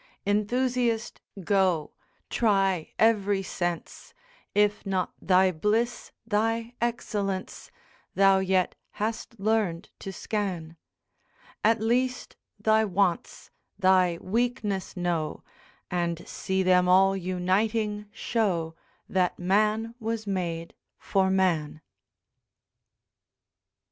'Enthusiast go, try every sense, If not thy bliss, thy excellence, Thou yet hast learned to scan; At least thy wants, thy weakness know, And see them all uniting show That man was made for man.'